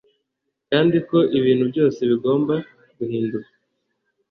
kandi ko ibintu byose bigomba guhinduka.